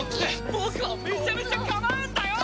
僕はめちゃめちゃかまうんだよ！